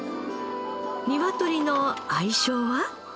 ニワトリの愛称は？